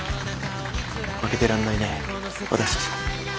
負けてらんないね私たちも。